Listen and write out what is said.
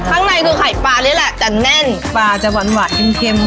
ข้างในคือไข่ปลานี่แหละแต่แน่นปลาจะหวานเค็ม